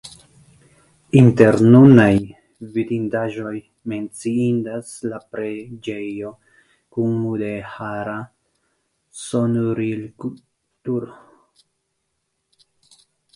Inter nunaj vidindaĵoj menciindas la preĝejo kun mudeĥara sonorilturo.